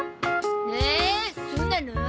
ええそうなの？